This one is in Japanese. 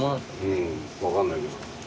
分かんないけど。